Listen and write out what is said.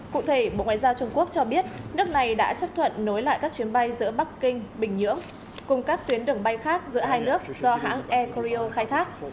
cụ thể bộ ngoại giao trung quốc cho biết nước này đã chấp thuận nối lại các chuyến bay giữa bắc kinh bình nhưỡng cùng các tuyến đường bay khác giữa hai nước do hãng air koryo khai thác